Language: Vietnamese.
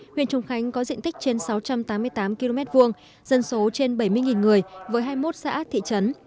huyện trùng khánh có diện tích trên sáu trăm tám mươi tám km hai dân số trên bảy mươi người với hai mươi một xã thị trấn